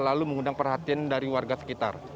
lalu mengundang perhatian dari warga sekitar